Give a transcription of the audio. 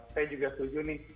saya juga setuju